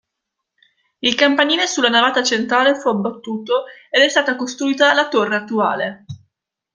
Il campanile sulla navata centrale fu abbattuto ed è stata costruita la torre attuale.